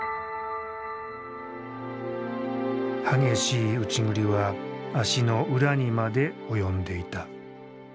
激しい内刳りは足の裏にまで及んでいた。